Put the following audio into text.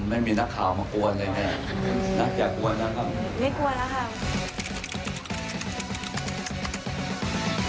ไม่มีนักข่าวมากลัวเลยนะครับนักอยากกลัวนะครับไม่กลัวแล้วครับ